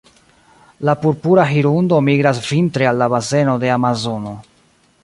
La Purpura hirundo migras vintre al la baseno de Amazono.